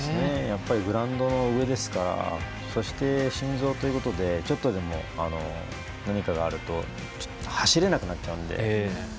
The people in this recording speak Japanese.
やっぱりグラウンドの上ですからそして心臓ということでちょっとでも何かがあると走れなくなっちゃうので。